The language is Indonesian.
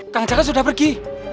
kang caka sudah pergi